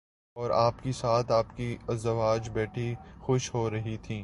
اور آپ کے ساتھ آپ کی ازواج بیٹھی خوش ہو رہی تھیں